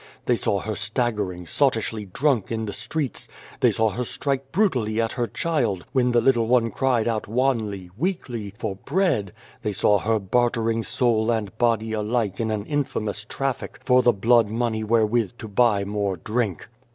They saw her staggering, sottishly drunk, in the streets ; they saw her strike brutally at her child when the little one cried out wanly, weakly, for bread ; they saw her bartering soul and body alike in an infamous traffic for the blood money wherewith to buy more drink.